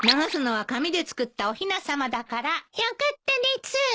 よかったです。